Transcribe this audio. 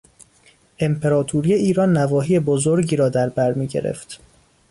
امپراطوری ایران نواحی بزرگی را در بر می گرفت.